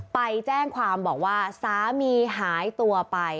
ไปแจ้งความบอกว่าสามีหายตัวไป